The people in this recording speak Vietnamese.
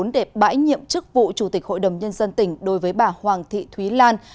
để bãi nhiệm chức vụ chủ tịch hội đồng nhân dân tỉnh đối với bà hoàng thị thúy lan